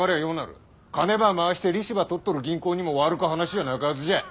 金ば回して利子ば取っとる銀行にも悪か話じゃなかはずじゃ。